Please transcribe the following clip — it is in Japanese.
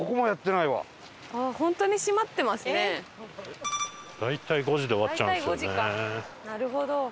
なるほど。